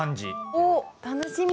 おっ楽しみ！